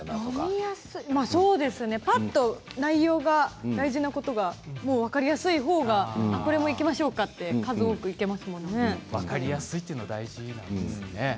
ぱっと内容が大事なことが分かりやすいほうがこれもいきましょうかと分かりやすいというのが大事なんですね。